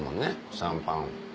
シャンパン。